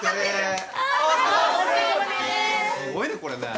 すごいねこれね。